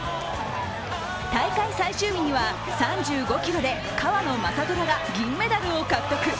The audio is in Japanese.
大会最終日には３５ｋｍで川野将虎が銀メダルを獲得。